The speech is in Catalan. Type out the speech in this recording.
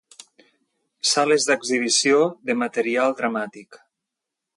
Sales d'exhibició de material dramàtic.